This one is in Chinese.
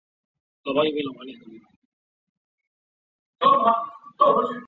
这项实验因为缺乏可靠的控制以及不可信的降神会所提供的模糊结果而被批评。